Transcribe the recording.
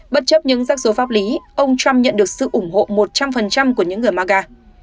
hai nghìn hai mươi bất chấp những rắc rối pháp lý ông trump nhận được sự ủng hộ một trăm linh của những người maga